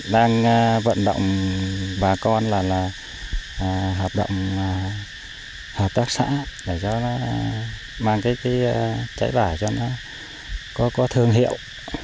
đang vận động bà con là hợp tác xã để cho nó mang cái cháy vải cho nó có thương hiệu